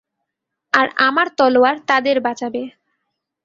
আর আমার তলোয়ার তাদের বাঁচাবে।